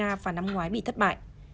nga và ukraine vào năm ngoái bị thất bại